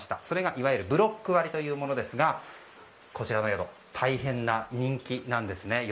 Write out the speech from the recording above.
それが、いわゆるブロック割というものですがこちらの宿大変な人気なんですね。